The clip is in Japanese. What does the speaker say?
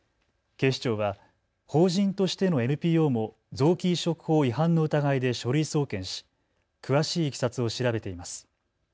警視庁は法人としてのＮＰＯも臓器移植法違反の疑いで書類送検し詳しいいきさつを調べています。